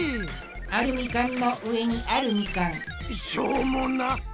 アルミカンノウエニアルミカンしょうもな！